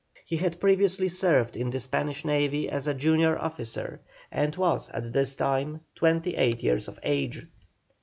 He had previously served in the Spanish navy as a junior officer, and was at this time twenty eight years of age.